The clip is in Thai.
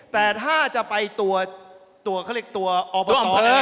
แต่ถ้าจะไปตัวตัวเขาเรียกตัวออบตเอง